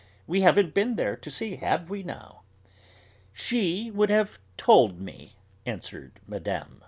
We haven't been there to see, have we now?" "She would have told me," answered Mme.